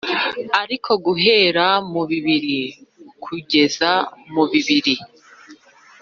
Ariko guhera mu bibiri kugeza mu bibiri,